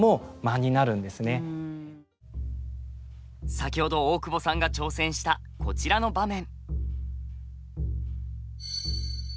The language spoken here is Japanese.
先ほど大久保さんが挑戦したこちらの場面。